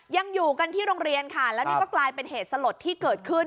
ยังอยู่กันที่โรงเรียนค่ะแล้วนี่ก็กลายเป็นเหตุสลดที่เกิดขึ้น